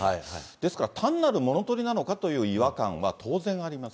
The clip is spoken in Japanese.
ですから単なる物取りなのかという違和感は当然あります。